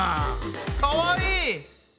かわいい！